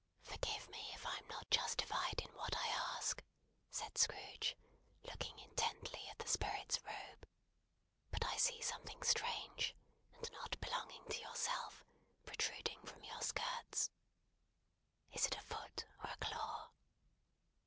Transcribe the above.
"Forgive me if I am not justified in what I ask," said Scrooge, looking intently at the Spirit's robe, "but I see something strange, and not belonging to yourself, protruding from your skirts. Is it a foot or a claw?"